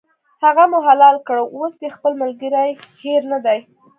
هغه مو حلال کړ، اوس یې خپل ملګری هېر نه دی.